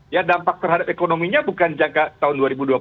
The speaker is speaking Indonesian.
ya dampak terhadap ekonominya bukan jaga tahun dua ribu dua puluh